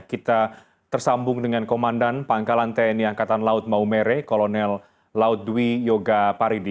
kita tersambung dengan komandan pangkalan tni angkatan laut maumere kolonel laut dwi yoga paridi